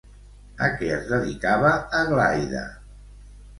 A què es dedicava Aglaida?